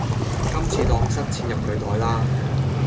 今次當塞錢入佢袋啦